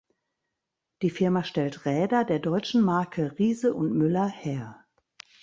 Die Firma stellt Räder der deutschen Marke Riese und Müller her.